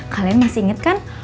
kalian masih inget kan